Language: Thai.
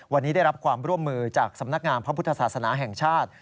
วันนี้ได้รับความร่วมมือจากสำนักงามพระพุทธศาสนาแห่งชาติ